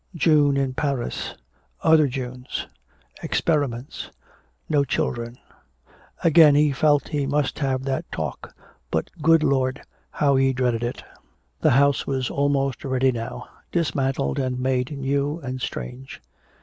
"June in Paris " other Junes "experiments" no children. Again he felt he must have that talk. But, good Lord, how he dreaded it. The house was almost ready now, dismantled and made new and strange.